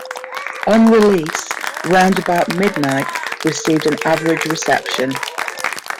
On release, "Round About Midnight" received an average reception.